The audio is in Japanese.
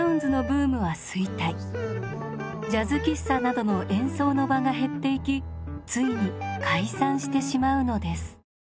ジャズ喫茶などの演奏の場が減っていきついに解散してしまうのです。